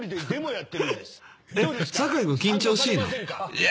いや。